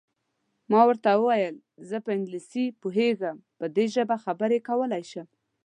ما ورته وویل: زه په انګلیسي پوهېږم، په دې ژبه خبرې کولای شم.